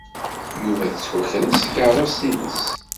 Yuba tettwaker-as tkeṛṛust-nnes.